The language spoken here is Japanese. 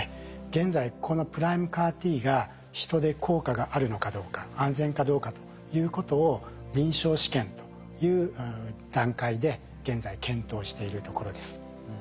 現在このＰＲＩＭＥＣＡＲ−Ｔが人で効果があるのかどうか安全かどうかということを臨床試験という段階で現在検討しているところです。